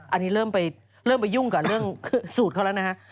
อันนี้เริ่มไปยุ่งกับเรื่องสูตรเขาแล้วนะฮะ